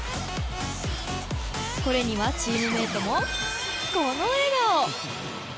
これにはチームメートもこの笑顔。